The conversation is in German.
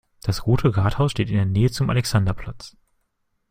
Das Rote Rathaus steht in der Nähe zum Alexanderplatz.